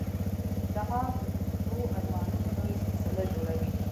سهار د اوږدو ارمانونو نوې سلسله جوړوي.